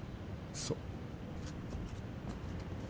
そう。